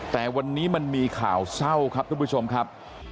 แต่วันนี้มันมีข่าวเศร้าครับทุกผู้ชมครับ